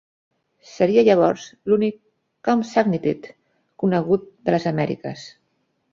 Seria llavors l'únic "compsognathid" conegut de les Amèriques.